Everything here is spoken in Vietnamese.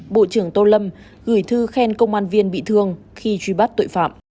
bộ trưởng tô lâm gửi thư khen công an viên bị thương khi truy bắt tội phạm